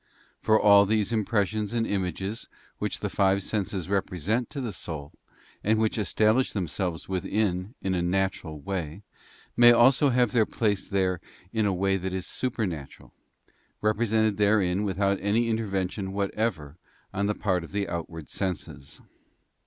For all these impressions and images which the five senses represent to the soul, and which establish themselves within in a natural way, may also have their place there in a way that is supernatural, represented therein without any intervention whatever on the part of the outward senses.